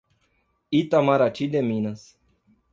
Itamarati de Minas